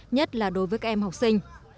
nhất là đối với các em học sinh